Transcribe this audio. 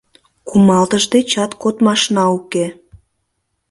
Кумалтыш дечат кодмашна уке.